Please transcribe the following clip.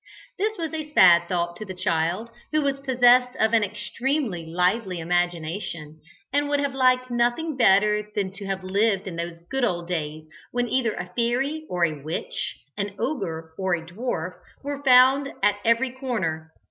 This was a sad thought to the child, who was possessed of an extremely lively imagination, and would have liked nothing better than to have lived in those good old days when either a fairy or a witch, an ogre or a dwarf, were to be found at every corner.